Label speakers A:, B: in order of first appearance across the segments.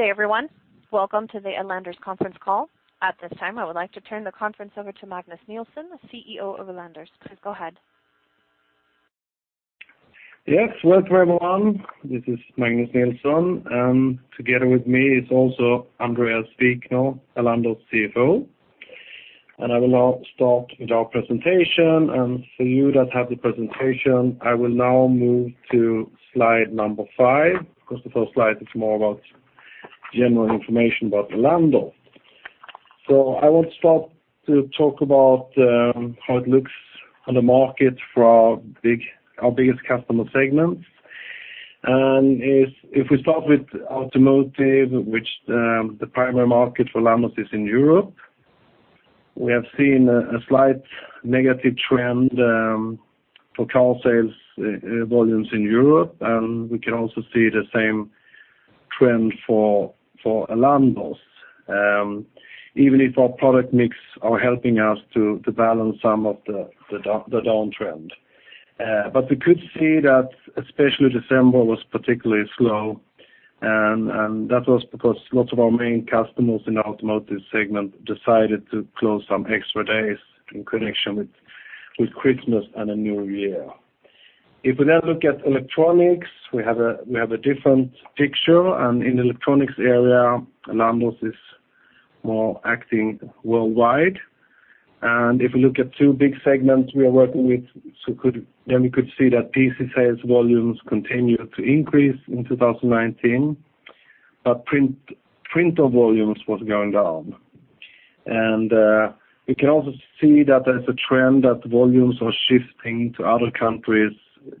A: Good day, everyone. Welcome to the Elanders conference call. At this time, I would like to turn the conference over to Magnus Nilsson, the CEO of Elanders. Please go ahead.
B: Yes, welcome, everyone. This is Magnus Nilsson, and together with me is also Andréas Wikner, Elanders' CFO. I will now start with our presentation. For you that have the presentation, I will now move to slide number five, because the first slide is more about general information about Elanders. I will start to talk about how it looks on the market for our biggest customer segments. If we start with automotive, which the primary market for Elanders is in Europe, we have seen a slight negative trend for car sales volumes in Europe, and we can also see the same trend for Elanders, even if our product mix are helping us to balance some of the downtrend. But we could see that especially December was particularly slow, and that was because lots of our main customers in the automotive segment decided to close some extra days in connection with Christmas and the New Year. If we now look at electronics, we have a different picture, and in electronics area, Elanders is more acting worldwide. And if you look at two big segments we are working with, then we could see that PC sales volumes continued to increase in 2019, but printer volumes was going down. And we can also see that there's a trend that volumes are shifting to other countries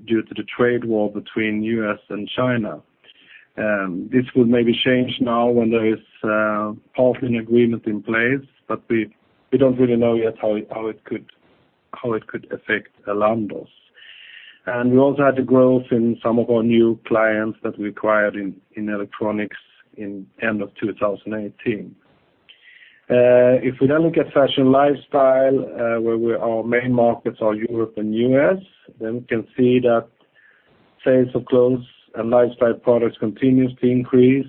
B: due to the trade war between U.S. and China. This will maybe change now when there is partial agreement in place, but we don't really know yet how it could affect Elanders. We also had the growth in some of our new clients that we acquired in electronics in end of 2018. If we now look at fashion lifestyle, where our main markets are Europe and U.S., then we can see that sales of clothes and lifestyle products continues to increase,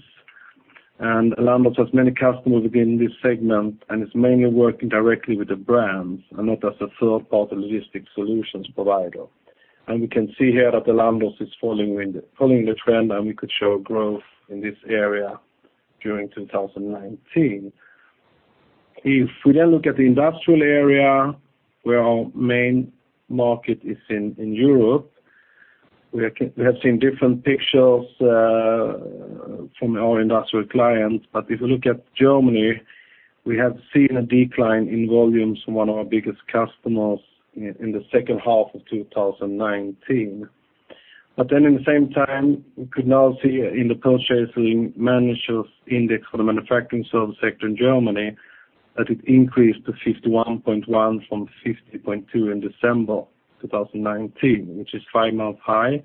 B: and Elanders has many customers within this segment, and it's mainly working directly with the brands and not as a third-party logistics solutions provider. We can see here that Elanders is following the trend, and we could show growth in this area during 2019. If we then look at the industrial area, where our main market is in Europe, we have seen different pictures from our industrial clients. But if you look at Germany, we have seen a decline in volumes from one of our biggest customers in the second half of 2019. But then in the same time, we could now see in the Purchasing Managers' Index for the manufacturing service sector in Germany, that it increased to 51.1 from 50.2 in December 2019, which is five-month high.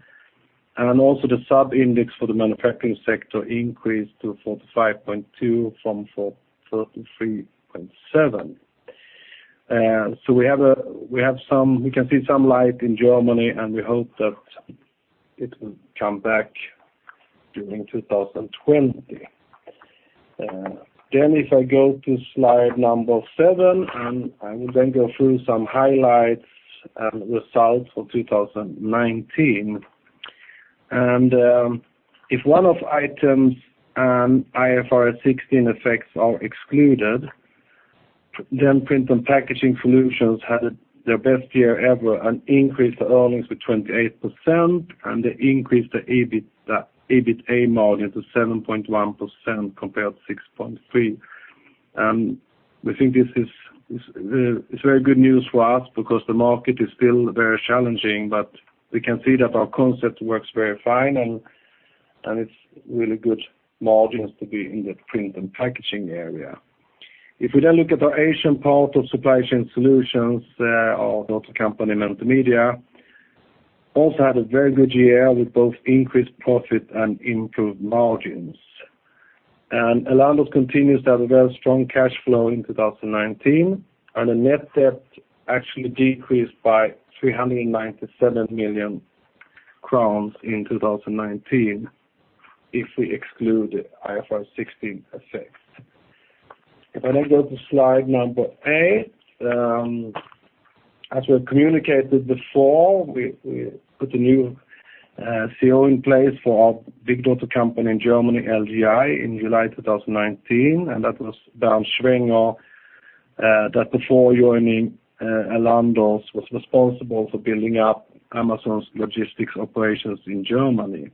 B: And then also the sub-index for the manufacturing sector increased to 45.2 from 43.7. So we can see some light in Germany, and we hope that it will come back during 2020. Then if I go to slide number seven, and I will then go through some highlights and results for 2019. And if one-off items and IFRS 16 effects are excluded, then Print and Packaging Solutions had their best year ever, an increase to earnings with 28%, and they increased the EBIT, EBITA margin to 7.1% compared to 6.3%. And we think this is very good news for us because the market is still very challenging, but we can see that our concept works very fine, and it's really good margins to be in the print and packaging area. If we then look at our Asian part of Supply Chain Solutions, our daughter company, Mentor Media, also had a very good year with both increased profit and improved margins. Elanders continues to have a very strong cash flow in 2019, and the net debt actually decreased by 397 million crowns in 2019, if we exclude IFRS 16 effects. If I now go to slide number eight, as we communicated before, we put a new CEO in place for our big daughter company in Germany, LGI, in July 2019, and that was Bernd Schwenger, that before joining Elanders, was responsible for building up Amazon's logistics operations in Germany.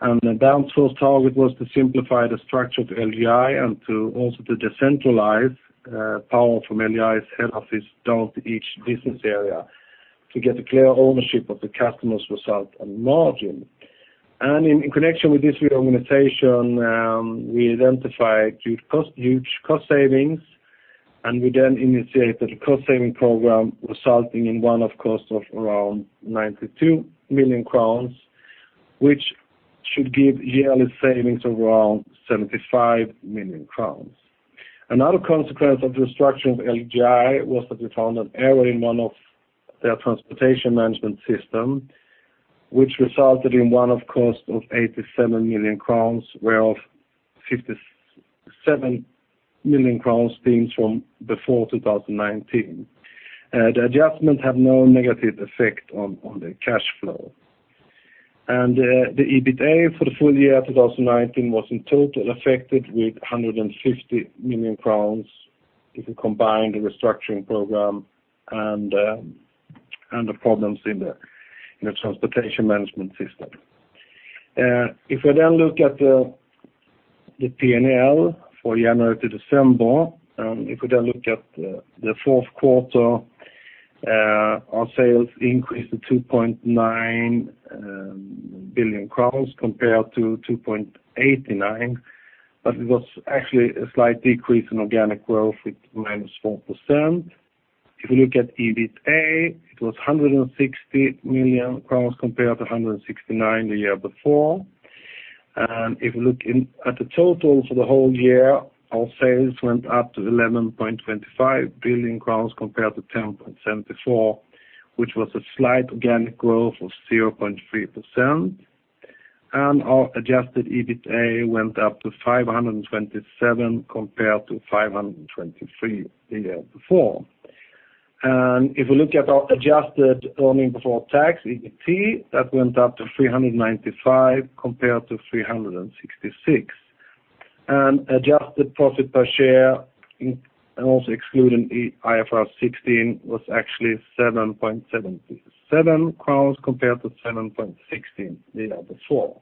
B: And then Bernd's first target was to simplify the structure of LGI and to also decentralize power from LGI's head office down to each business area to get a clear ownership of the customer's result and margin. And in connection with this reorganization, we identified huge cost savings, and we then initiated a cost-saving program, resulting in one-off cost of around 92 million crowns, which should give yearly savings of around 75 million crowns. Another consequence of the restructuring of LGI was that we found an error in one of their transportation management system, which resulted in one-off cost of 87 million crowns, whereof 57 million crowns being from before 2019. The adjustment have no negative effect on the cash flow. And the EBITDA for the full year, 2019, was in total affected with 150 million crowns. If you combine the restructuring program and the problems in the transportation management system. If we then look at the PNL for January to December, and if we then look at the fourth quarter, our sales increased to 2.9 billion crowns compared to 2.89 billion, but it was actually a slight decrease in organic growth with -4%. If you look at EBITDA, it was 160 million crowns compared to 169 million the year before. If you look at the total for the whole year, our sales went up to 11.25 billion crowns compared to 10.74 billion, which was a slight organic growth of 0.3%. Our adjusted EBITDA went up to 527 million compared to 523 million the year before. And if you look at our adjusted earnings before tax, EBT, that went up to 395, compared to 366. And adjusted profit per share, in, and also excluding the IFRS 16, was actually 7.77 crowns compared to 7.16 SEK the year before.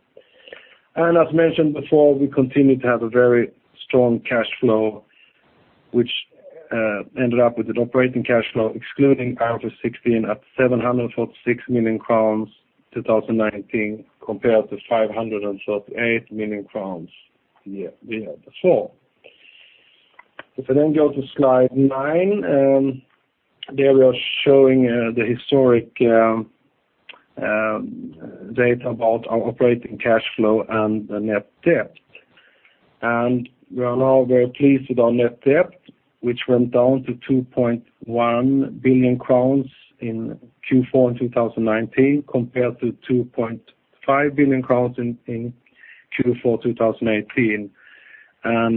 B: And as mentioned before, we continue to have a very strong cash flow, which ended up with an operating cash flow, excluding IFRS 16, at 746 million crowns in 2019, compared to 548 million crowns the year, the year before. If I then go to slide nine, there we are showing the historic data about our operating cash flow and the net debt. We are now very pleased with our net debt, which went down to 2.1 billion crowns in Q4 2019, compared to 2.5 billion crowns in Q4 2018.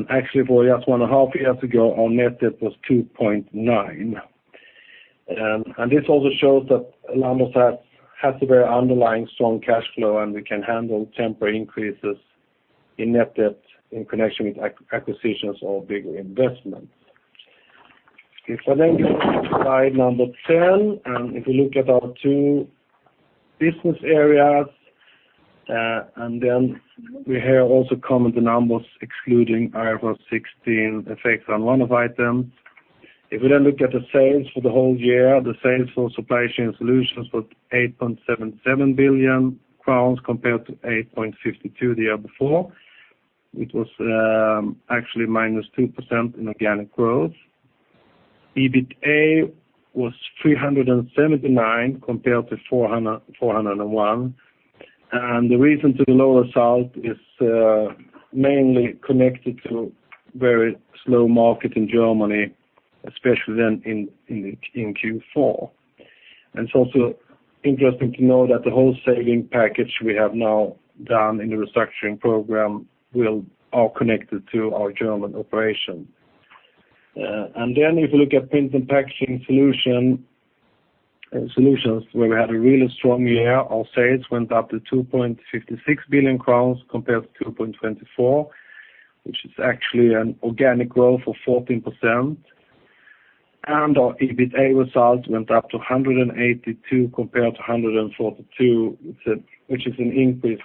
B: Actually, for just one and a half years ago, our net debt was 2.9 billion. And this also shows that Elanders has a very underlying strong cash flow, and we can handle temporary increases in net debt in connection with acquisitions or bigger investments. If I then go to slide number 10, and if you look at our two business areas, and then we have also come with the numbers excluding IFRS 16 effects on one-off items. If we then look at the sales for the whole year, the sales for Supply Chain Solutions was 8.77 billion crowns compared to 8.52 billion the year before, which was actually -2% in organic growth. EBITDA was 379 compared to 401. And the reason to the lower result is mainly connected to very slow market in Germany, especially then in Q4. And it's also interesting to know that the whole saving package we have now done in the restructuring program will all connected to our German operation. And then if you look at Print and Packaging Solutions, where we had a really strong year, our sales went up to 2.56 billion crowns compared to 2.24 billion, which is actually an organic growth of 14%. Our EBITDA results went up to 182 compared to 142, which is an increase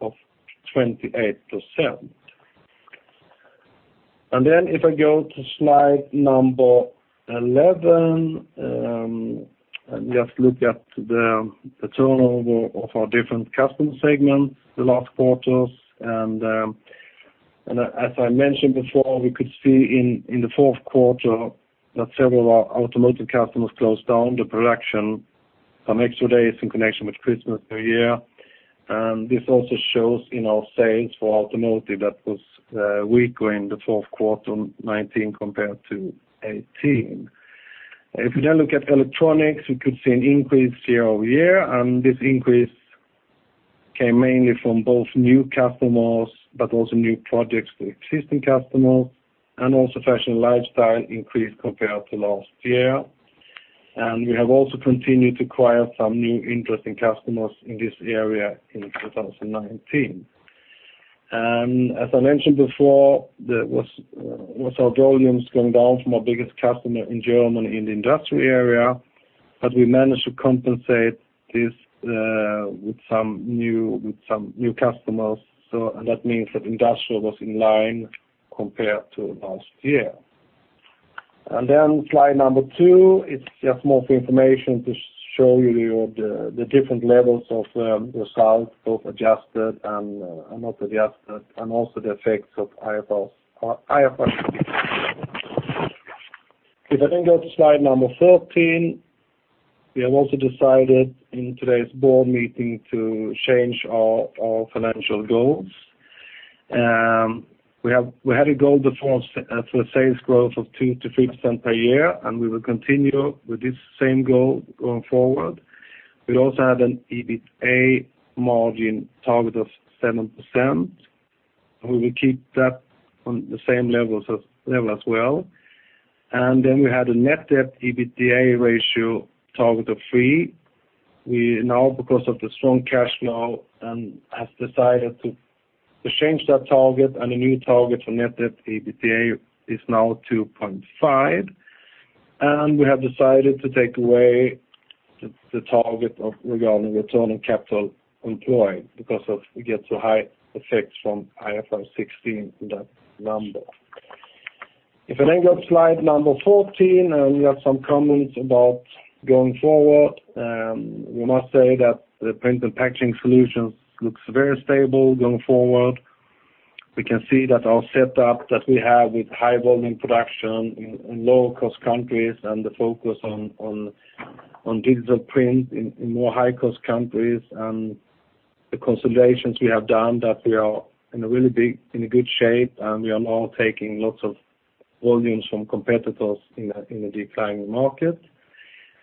B: of 28%. Then if I go to slide number 11, and just look at the turnover of our different customer segments the last quarters. And as I mentioned before, we could see in the fourth quarter that several of our automotive customers closed down the production some extra days in connection with Christmas, New Year. And this also shows in our sales for automotive, that was weaker in the fourth quarter, 2019 compared to 2018. If you then look at electronics, you could see an increase year-over-year, and this increase came mainly from both new customers, but also new projects to existing customers, and also fashion and lifestyle increased compared to last year. We have also continued to acquire some new interesting customers in this area in 2019. As I mentioned before, there was our volumes going down from our biggest customer in Germany, in the industrial area, but we managed to compensate this with some new customers. So that means that industrial was in line compared to last year. Then slide number two, it's just more for information to show you the different levels of results, both adjusted and not adjusted, and also the effects of IFRS, IFRS. If I then go to slide number 13, we have also decided in today's board meeting to change our financial goals. We have, we had a goal before for sales growth of 2%-3% per year, and we will continue with this same goal going forward. We also had an EBITA margin target of 7%, and we will keep that on the same level as well. Then we had a net debt EBITA ratio target of three. We now, because of the strong cash flow, have decided to change that target, and the new target for net debt EBITA is now 2.5. We have decided to take away the target regarding return on capital employed, because of we get so high effects from IFRS 16 in that number. If I then go to slide number 14, and we have some comments about going forward. We must say that the Print and Packaging Solutions looks very stable going forward. We can see that our setup that we have with high volume production in low-cost countries and the focus on digital print in more high-cost countries, and the consolidations we have done, that we are in a really good shape, and we are now taking lots of volumes from competitors in a declining market.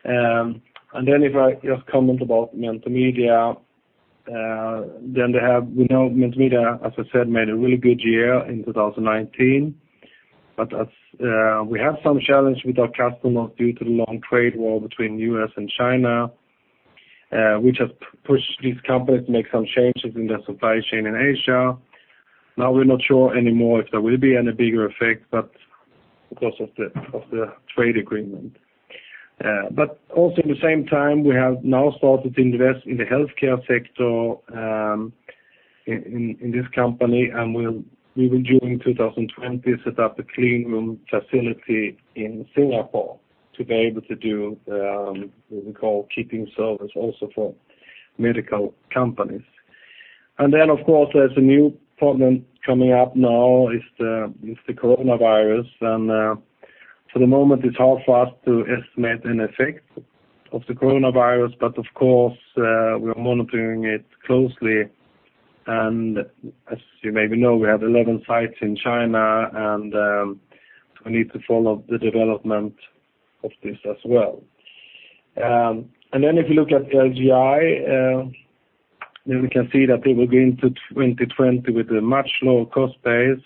B: And then if I just comment about Mentor Media, then we know Mentor Media, as I said, made a really good year in 2019. But as we have some challenge with our customers due to the long trade war between U.S. and China, which has pushed these companies to make some changes in their supply chain in Asia. Now, we're not sure anymore if there will be any bigger effect, but because of the trade agreement. But also, at the same time, we have now started to invest in the healthcare sector, in this company, and we will, during 2020, set up a clean room facility in Singapore to be able to do what we call kitting service also for medical companies. And then, of course, there's a new problem coming up now, is the coronavirus. And, for the moment, it's hard for us to estimate an effect of the coronavirus, but of course, we are monitoring it closely. And as you maybe know, we have 11 sites in China, and we need to follow the development of this as well. And then if you look at LGI, then we can see that they will go into 2020 with a much lower cost base,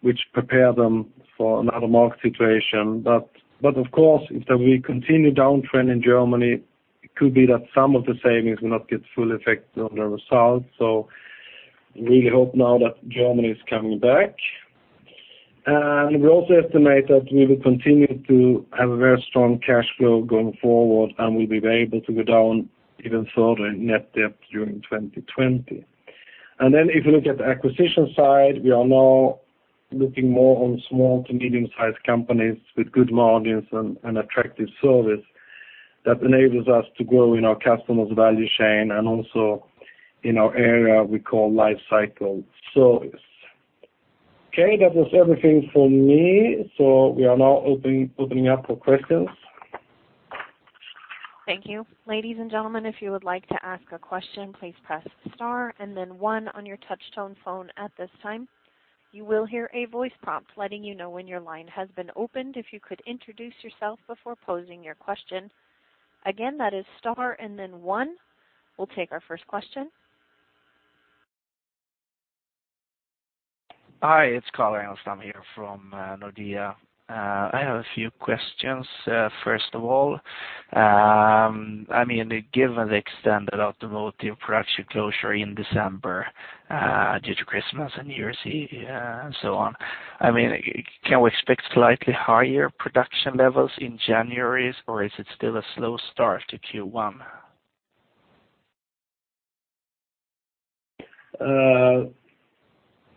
B: which prepare them for another market situation. But of course, if there will be continued downtrend in Germany, it could be that some of the savings will not get full effect on the results, so we hope now that Germany is coming back. And we also estimate that we will continue to have a very strong cash flow going forward, and we will be able to go down even further in net debt during 2020. And then if you look at the acquisition side, we are now looking more on small to medium-sized companies with good margins and attractive service that enables us to grow in our customers' value chain and also in our area we call life cycle service. Okay, that was everything from me, so we are now opening up for questions.
A: Thank you. Ladies and gentlemen, if you would like to ask a question, please press star and then one on your touchtone phone at this time. You will hear a voice prompt letting you know when your line has been opened. If you could introduce yourself before posing your question. Again, that is star and then one. We'll take our first question.
C: Hi, it's Carl Engström here from Nordea. I have a few questions. First of all, I mean, given the extended automotive production closure in December, due to Christmas and New Year's Eve, and so on, I mean, can we expect slightly higher production levels in January, or is it still a slow start to Q1?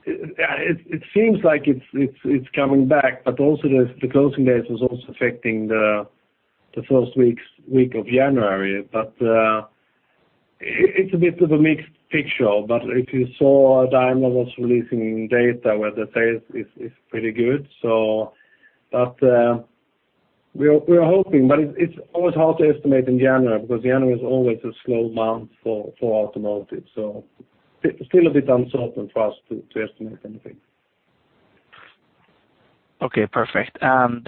B: It seems like it's coming back, but also the closing days is also affecting the first week of January. But, it's a bit of a mixed picture, but if you saw Daimler was releasing data where the sales is pretty good. So but, we are hoping, but it's always hard to estimate in January, because January is always a slow month for automotive, so it's still a bit uncertain for us to estimate anything.
C: Okay, perfect. And,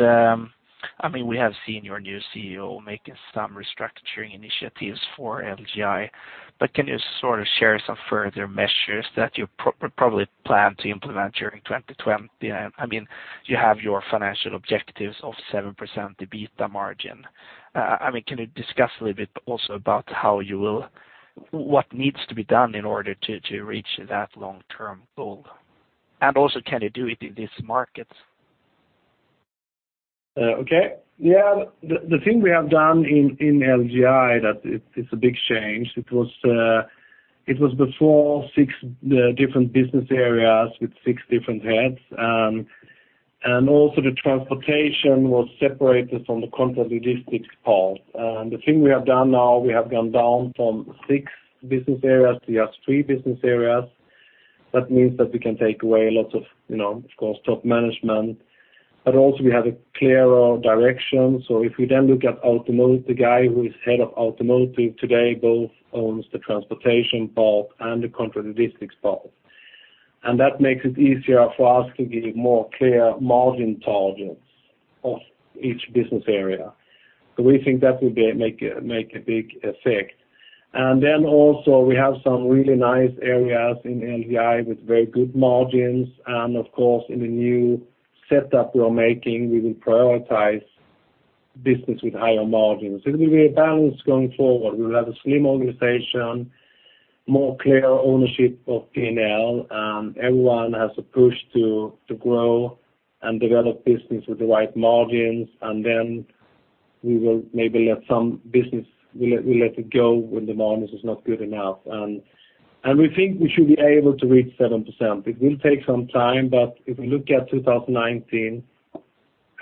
C: I mean, we have seen your new CEO making some restructuring initiatives for LGI, but can you sort of share some further measures that you probably plan to implement during 2020? I mean, you have your financial objectives of 7% EBITA margin. I mean, can you discuss a little bit also about how you will... What needs to be done in order to reach that long-term goal? And also, can you do it in this market?
B: Okay. Yeah, the thing we have done in LGI, it's a big change. It was before six different business areas with six different heads. And also the transportation was separated from the contract logistics part. And the thing we have done now, we have gone down from six business areas to just three business areas. That means that we can take away a lot of, you know, of course, top management, but also we have a clearer direction. So if we then look at automotive, the guy who is head of automotive today, both owns the transportation part and the contract logistics part, and that makes it easier for us to give more clear margin targets of each business area. So we think that will make a big effect. Then also we have some really nice areas in LGI with very good margins, and of course, in the new setup we are making, we will prioritize business with higher margins. It will be a balance going forward. We will have a slim organization, more clear ownership of PNL, and everyone has a push to grow and develop business with the right margins, and then we will maybe let some business, we let it go when the margin is not good enough. And we think we should be able to reach 7%. It will take some time, but if you look at 2019,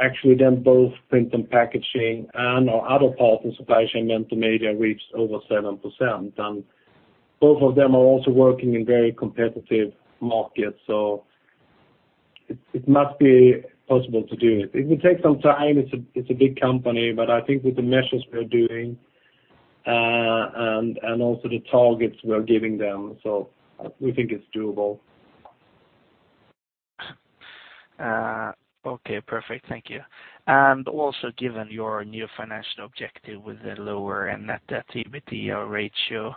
B: actually then both print and packaging and our other parts and supply chain and media reached over 7%, and both of them are also working in very competitive markets, so it must be possible to do it. It will take some time. It's a big company, but I think with the measures we are doing, and also the targets we are giving them, so we think it's doable.
C: Okay, perfect. Thank you. And also, given your new financial objective with the lower and net debt EBITDA ratio,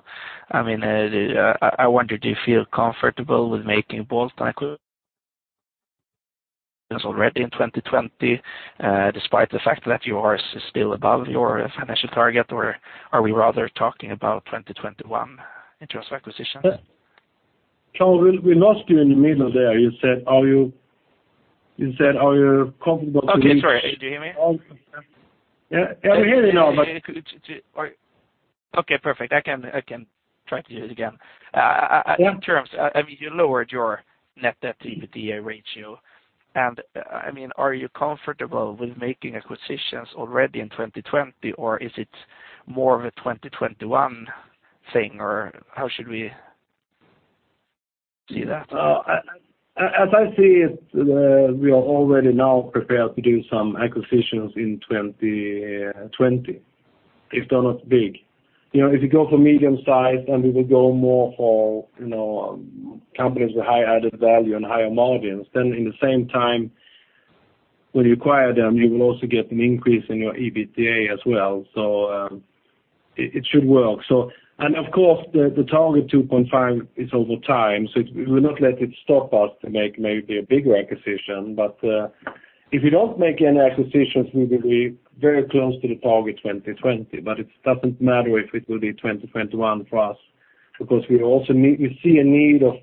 C: I mean, I wonder, do you feel comfortable with making bold acquisitions already in 2020, despite the fact that you are still above your financial target, or are we rather talking about 2021 in terms of acquisitions?
B: So we lost you in the middle there. You said, are you comfortable with-
C: Okay, sorry. Do you hear me?
B: Yeah, yeah, we hear you now, but-
C: Okay, perfect. I can, I can try to do it again. In terms-
B: Yeah.
C: I mean, you lowered your net debt EBITDA ratio, and, I mean, are you comfortable with making acquisitions already in 2020, or is it more of a 2021 thing, or how should we see that?
B: As I see it, we are already now prepared to do some acquisitions in 2020, if they're not big. You know, if you go for medium size, then we will go more for, you know, companies with high added value and higher margins, then in the same time, when you acquire them, you will also get an increase in your EBITDA as well. So, it should work. So, and of course, the target 2.5 is over time, so we will not let it stop us to make maybe a bigger acquisition. But, if you don't make any acquisitions, we will be very close to the target 2020, but it doesn't matter if it will be 2021 for us, because we also need, we see a need of...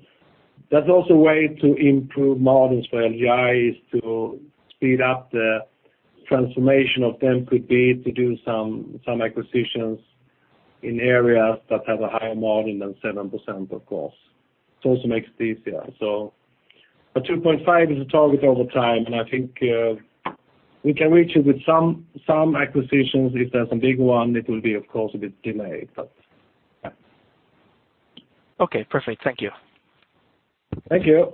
B: There's also a way to improve margins for LGI, which is to speed up the transformation of them. It could be to do some acquisitions in areas that have a higher margin than 7%, of course. It also makes it easier. So the 2.5 is a target over time, and I think we can reach it with some acquisitions. If there's a big one, it will be, of course, a bit delayed, but, yeah.
C: Okay, perfect. Thank you.
B: Thank you.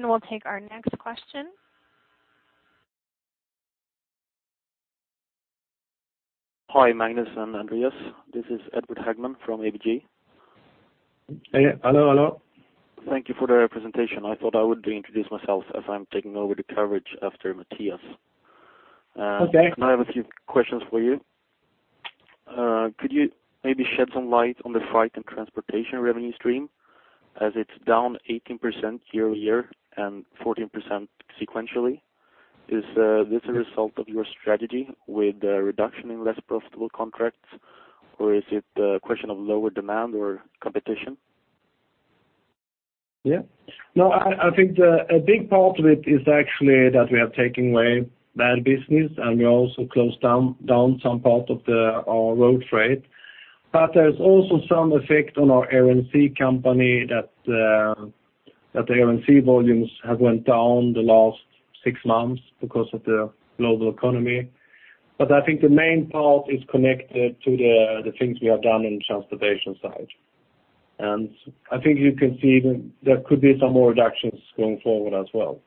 A: We'll take our next question.
D: Hi, Magnus and Andréas, this is Edvard Hagman from ABG.
B: Hey, hello, hello.
D: Thank you for the presentation. I thought I would reintroduce myself as I'm taking over the coverage after Matthias.
B: Okay.
D: And I have a few questions for you. Could you maybe shed some light on the freight and transportation revenue stream, as it's down 18% year-over-year and 14% sequentially? Is this a result of your strategy with a reduction in less profitable contracts, or is it a question of lower demand or competition?
B: Yeah. No, I think the... A big part of it is actually that we are taking away bad business, and we also closed down some part of our road freight. But there's also some effect on our air and sea company that the air and sea volumes have went down the last six months because of the global economy. But I think the main part is connected to the things we have done on the transportation side. And I think you can see there could be some more reductions going forward as well.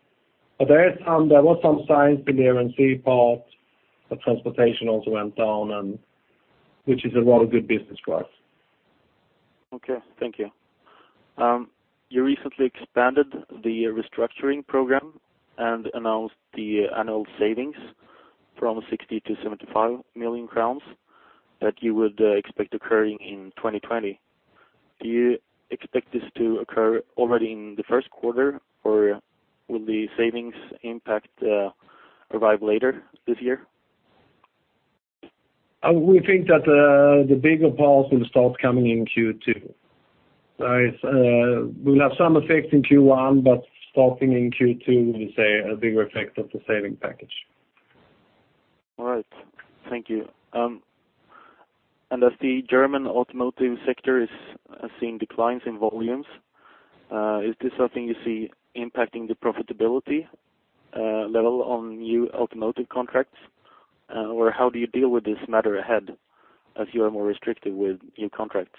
B: But there are some, there were some signs in the air and sea part, but transportation also went down, and which is a lot of good business for us.
D: Okay. Thank you. You recently expanded the restructuring program and announced the annual savings from 60 million to 75 million crowns that you would expect occurring in 2020. Do you expect this to occur already in the first quarter, or will the savings impact arrive later this year?
B: We think that the bigger parts will start coming in Q2. It's we'll have some effect in Q1, but starting in Q2, we say a bigger effect of the saving package.
D: All right. Thank you. And as the German automotive sector is seeing declines in volumes, is this something you see impacting the profitability level on new automotive contracts? Or how do you deal with this matter ahead, as you are more restrictive with new contracts?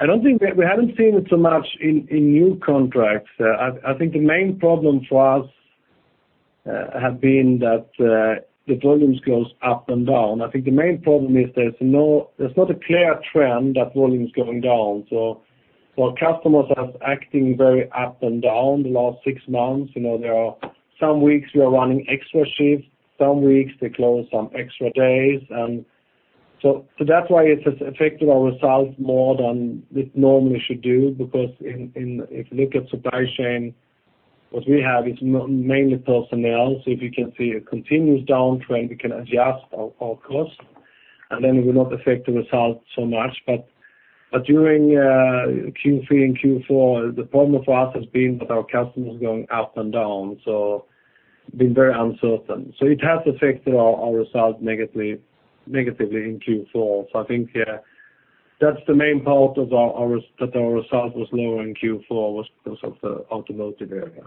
B: I don't think that we haven't seen it so much in new contracts. I think the main problem for us have been that the volumes goes up and down. I think the main problem is there's not a clear trend that volume is going down. So our customers are acting very up and down the last six months. You know, there are some weeks we are running extra shifts, some weeks they close some extra days. And so that's why it's affected our results more than it normally should do, because if you look at supply chain, what we have is mainly personnel. So if you can see a continuous downtrend, we can adjust our cost, and then it will not affect the result so much. But during Q3 and Q4, the problem for us has been with our customers going up and down, so been very uncertain. So it has affected our results negatively in Q4. So I think, yeah, that's the main part of our result that was lower in Q4 was because of the automotive area.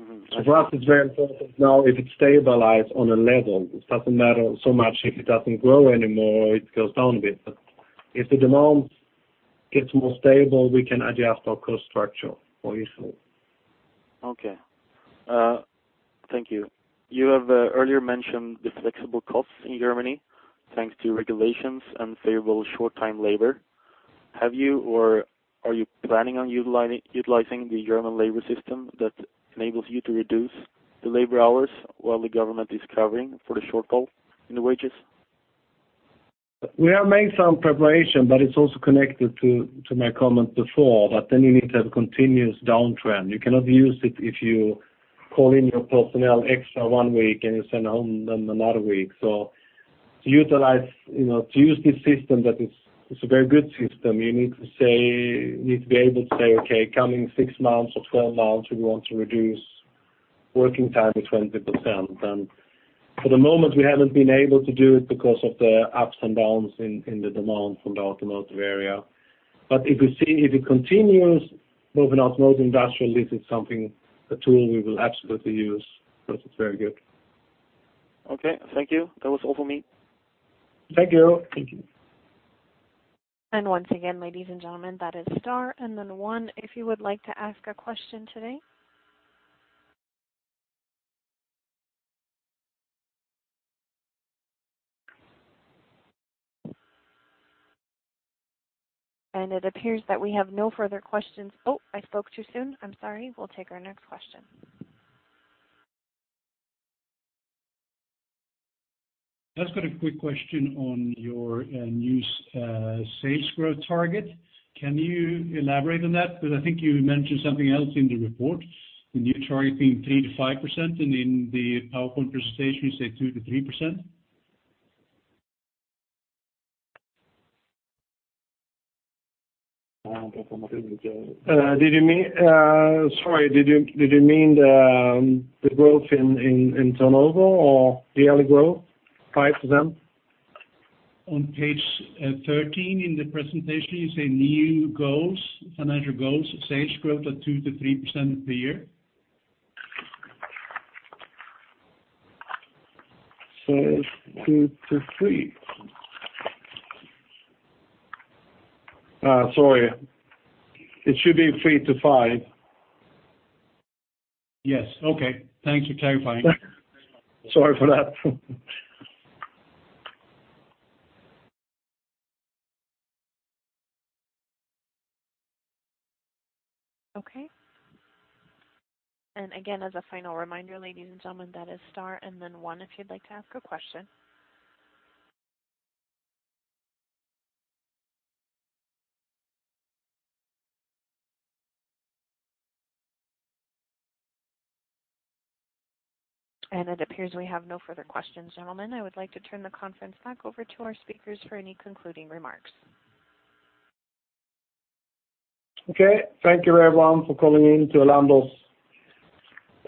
D: Mm-hmm.
B: For us, it's very important now, if it stabilize on a level, it doesn't matter so much if it doesn't grow anymore, or it goes down a bit. But if the demand gets more stable, we can adjust our cost structure more easily.
D: Okay, thank you. You have earlier mentioned the flexible costs in Germany, thanks to regulations and favorable short-time labor. Have you or are you planning on utilizing the German labor system that enables you to reduce the labor hours while the government is covering for the shortfall in the wages?
B: We have made some preparation, but it's also connected to, to my comment before, that then you need to have a continuous downtrend. You cannot use it if you call in your personnel extra one week and you send home them another week. So to utilize, you know, to use this system, that is, it's a very good system, you need to say... you need to be able to say, "Okay, coming six months or 12 months, we want to reduce working time to 20%." And for the moment, we haven't been able to do it because of the ups and downs in, in the demand from the automotive area. But if you see- if it continues within automotive industrial, this is something, a tool we will absolutely use, because it's very good.
D: Okay, thank you. That was all for me.
B: Thank you.
A: Once again, ladies and gentlemen, that is star and then one, if you would like to ask a question today. It appears that we have no further questions. Oh, I spoke too soon. I'm sorry. We'll take our next question.
E: I've just got a quick question on your new sales growth target. Can you elaborate on that? Because I think you mentioned something else in the report. The new target being 3%-5%, and in the PowerPoint presentation, you say 2%-3%.
B: Sorry, did you mean the growth in turnover or yearly growth, 5%?
E: On page 13 in the presentation, you say, "New goals, financial goals, sales growth of 2%-3% per year.
B: Sales, 2%-3%. Sorry, it should be 3%-5%.
E: Yes. Okay. Thanks for clarifying.
B: Sorry for that.
A: Okay. And again, as a final reminder, ladies and gentlemen, that is Star, and then one, if you'd like to ask a question. It appears we have no further questions, gentlemen. I would like to turn the conference back over to our speakers for any concluding remarks.
B: Okay. Thank you, everyone, for calling in to Elanders'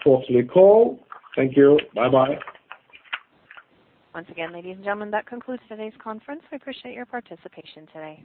B: quarterly call. Thank you. Bye-bye.
A: Once again, ladies and gentlemen, that concludes today's conference. We appreciate your participation today.